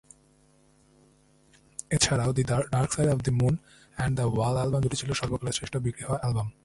এছাড়াও "the Dark Side of the Moon" এবং "the Wall" album দুটি ছিল সর্বকালের শ্রেষ্ঠ-বিক্রি হওয়া অ্যালবাম।